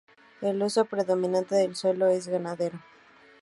El uso predominante del suelo es ganadero.